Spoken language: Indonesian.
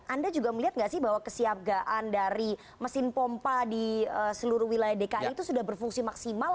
anda juga melihat nggak sih bahwa kesiagaan dari mesin pompa di seluruh wilayah dki itu sudah berfungsi maksimal